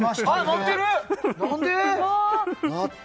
なってる！